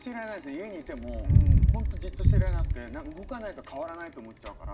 家にいても本当じっとしていられなくて何か動かないと変わらないと思っちゃうから。